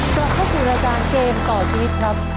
กลับเข้าสู่รายการเกมต่อชีวิตครับ